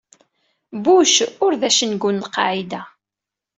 Bush ur d acengu n Lqaɛida.